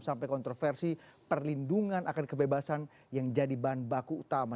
sampai kontroversi perlindungan akan kebebasan yang jadi bahan baku utama